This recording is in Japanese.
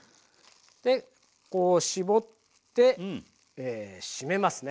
でこう絞って締めますね。